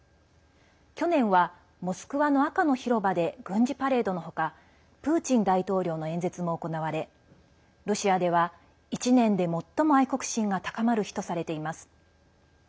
去年は、モスクワの赤の広場で軍事パレードのほかプーチン大統領の演説も行われロシアでは、１年で最も愛国心が高まる日とされています。